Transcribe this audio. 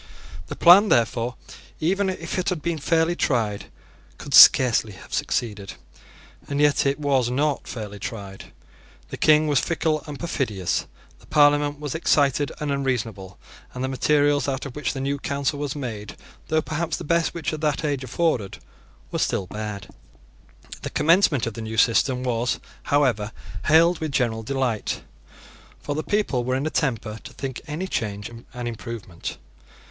The plan, therefore, even if it had been fairly tried, could scarcely have succeeded; and it was not fairly tried. The King was fickle and perfidious: the Parliament was excited and unreasonable; and the materials out of which the new Council was made, though perhaps the best which that age afforded, were still bad. The commencement of the new system was, however, hailed with general delight; for the people were in a temper to think any change an improvement.